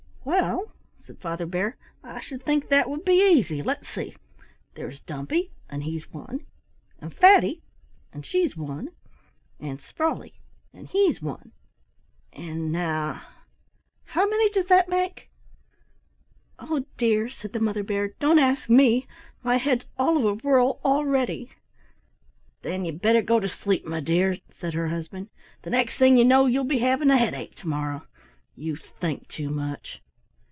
"Well," said Father Bear, "I should think that would be easy. Let's see. There's Dumpy, and he's one, and Fatty, and she's one, and Sprawley, and he's one. And now how many does that make?" "Oh dear!" said the Mother Bear, "Don't ask me. My head's all of a whirl already." "Then you'd better go to sleep, my dear," said her husband. "The next thing you know you'll be having a headache to morrow. You think too much."